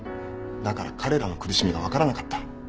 だから彼らの苦しみが分からなかった。